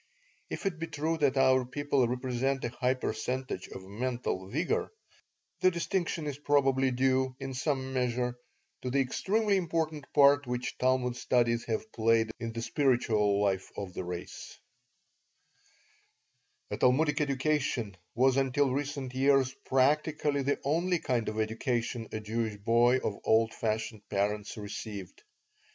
If it be true that our people represent a high percentage of mental vigor, the distinction is probably due, in some measure, to the extremely important part which Talmud studies have played in the spiritual life of the race A Talmudic education was until recent years practically the only kind of education a Jewish boy of old fashioned parents received.